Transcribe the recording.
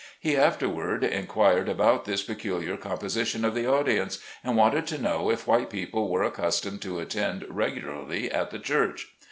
He afterward inquired about this peculiar com position of the audience, and wanted to know if white people were accustomed to attend regularly at the church.